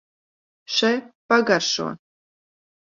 Še, pagaršo!